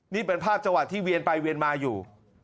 นี่เป็นภาพจังหวะที่เวียนไปเวียนมาอยู่